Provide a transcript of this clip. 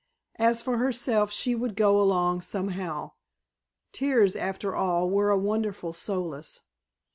As for herself she would go along somehow. Tears, after all, were a wonderful solace.